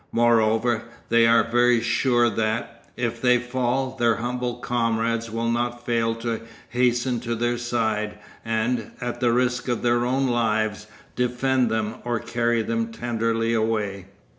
Moreover, they are very sure that, if they fall, their humble comrades will not fail to hasten to their side, and, at the risk of their own lives, defend them, or carry them tenderly away.